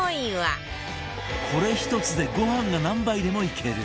これ１つでご飯が何杯でもいける